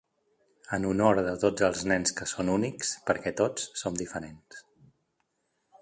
En honor de tots els nens que són únics, perquè tots som diferents.